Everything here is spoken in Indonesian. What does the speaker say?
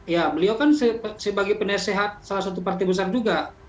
ya beliau kan sebagai penasehat salah satu partai besar juga